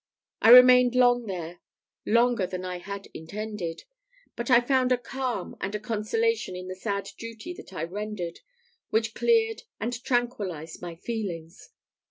I remained long there longer than I had intended; but I found a calm and a consolation in the sad duty that I rendered, which cleared and tranquillized my feelings.